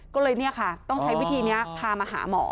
ก็เลยเนี่ยค่ะต้องใช้วิธีนี้พามาหาหมอ